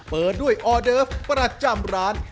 เปิดด้วยออเดิฟประจำร้าน